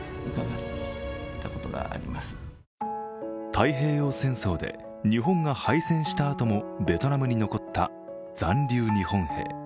太平洋戦争で日本が敗戦したあともベトナムに残った残留日本兵。